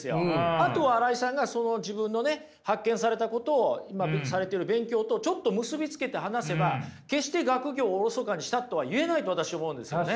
あとは新井さんが自分の発見されたことを今されてる勉強とちょっと結び付けて話せば決して学業をおろそかにしたとは言えないと私思うんですよね。